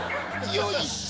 よいしょ。